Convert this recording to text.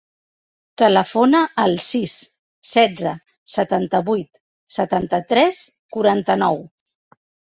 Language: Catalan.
Telefona al sis, setze, setanta-vuit, setanta-tres, quaranta-nou.